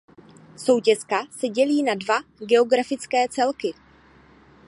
Soutěska se dělí na dva geografické celky.